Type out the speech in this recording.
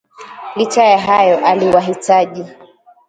Licha ya hayo, aliwahitaji